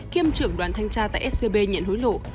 kiêm trưởng đoàn thanh tra tại scb nhận hối lộ